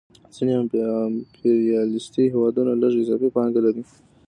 ځینې امپریالیستي هېوادونه لږ اضافي پانګه لري